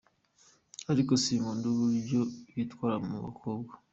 Ariko sinkunda uburyo bitwara mu bakobwa.